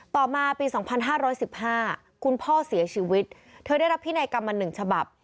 ต่อมาปี๒๕๑๕คุณพ่อเสียชีวิตเธอได้รับพินัยกรรมมา๑ฉบับ